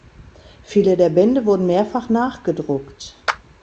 Viele der Bände wurden mehrfach nachgedruckt.